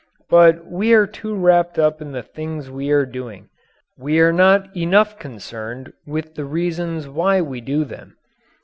But we are too wrapped up in the things we are doing we are not enough concerned with the reasons why we do them.